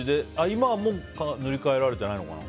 今はもう塗り替えられてないのかな。